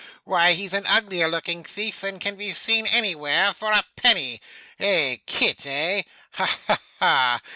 Why, he's an uglier looking thief than can be seen anywhere for a penny. Eh, Kit eh? Ha ha ha!